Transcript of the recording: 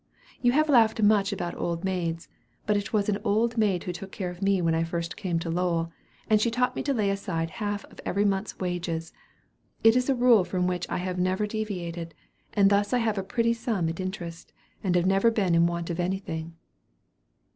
You have laughed much about old maids; but it was an old maid who took care of me when I first came to Lowell, and she taught me to lay aside half of every month's wages. It is a rule from which I have never deviated, and thus I have quite a pretty sum at interest, and have never been in want of anything."